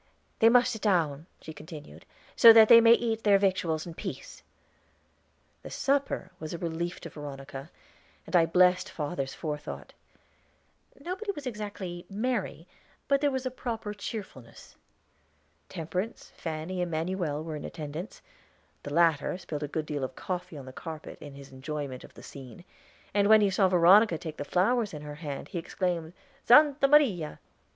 "They must sit down," she continued, "so that they may eat their victuals in peace." The supper was a relief to Veronica, and I blessed father's forethought. Nobody was exactly merry, but there was a proper cheerfulness. Temperance, Fanny, and Manuel were in attendance; the latter spilled a good deal of coffee on the carpet in his enjoyment of the scene; and when he saw Veronica take the flowers in her hand, he exclaimed, "Santa Maria!"